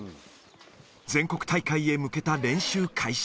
全国大会へ向けた練習開始。